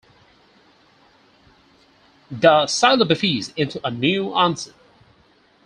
The syllabifies into a new onset.